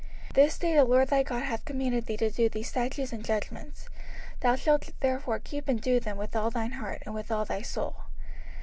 05:026:016 This day the LORD thy God hath commanded thee to do these statutes and judgments: thou shalt therefore keep and do them with all thine heart, and with all thy soul.